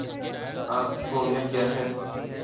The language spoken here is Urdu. آپ کی قومیت کیا ہے؟